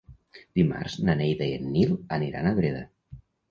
Dimarts na Neida i en Nil aniran a Breda.